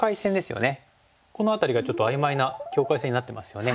この辺りがちょっと曖昧な境界線になってますよね。